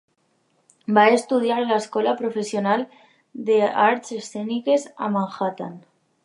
Va estudiar a l'Escola Professional d'Arts Escèniques a Manhattan.